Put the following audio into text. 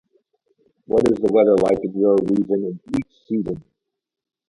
What is the weather like in your region in each season?